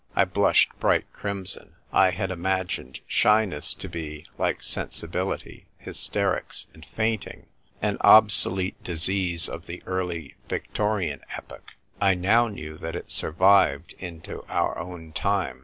I blushed bright crimson. I iiad imagined shyness to be (like " sensibility," hysterics, and fainting) an obsolete disease of tiie early Victorian epoch. I now knew that it survived into our own time.